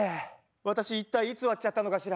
私一体いつ割っちゃったのかしら？